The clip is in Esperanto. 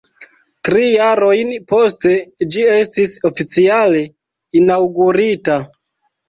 Tri jarojn poste ĝi estis oficiale inaŭgurita.